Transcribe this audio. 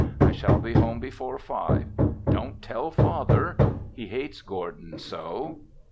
I shall be home before five. Don't tell father! He hates Gordon so.